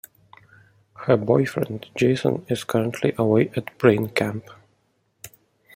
Her boyfriend, Jason, is currently away at Brain Camp.